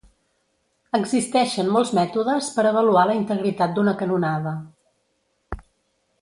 Existeixen molts mètodes per avaluar la integritat d'una canonada.